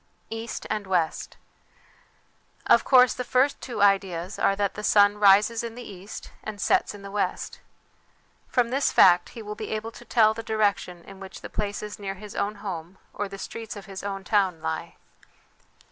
East and West. Ot course the two first ideas are that the sun rises in the east and sets in the west ; from this fact he will be able to tell the direction in which the places near his own home, or the streets of OUT OF DOOR LIFE FOR THE CHILDREN 75 his own town, lie.